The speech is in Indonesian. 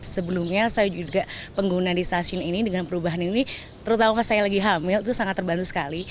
sebelumnya saya juga pengguna di stasiun ini dengan perubahan ini terutama saya lagi hamil itu sangat terbantu sekali